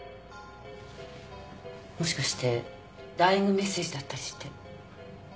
もしかしてダイイングメッセージだったりして。